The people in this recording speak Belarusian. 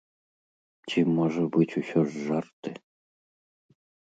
Ці, можа быць, усё ж жарты?